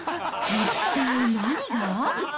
一体何が。